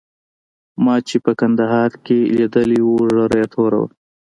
ما چې په کندهار کې لیدلی وو ږیره یې توره وه.